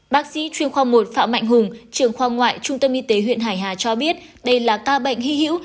bác sĩ chuyên khoa một phạm mạnh hùng trường khoa ngoại trung tâm y tế huyện hải hà cho biết đây là ca bệnh hy hữu